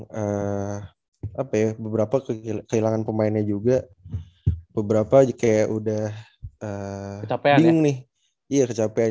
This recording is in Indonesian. yang apa ya beberapa ke hilangkan pemainnya juga beberapa aja kayak udah capek nih iya kecapean